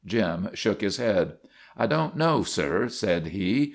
Jim shook his head. " I don't know, sir," said he.